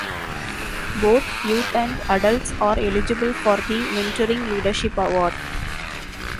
Both youth and adults are eligible for the Venturing Leadership Award.